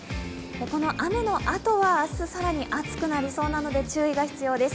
この雨のあとは、明日更に暑くなりそうなので注意が必要です。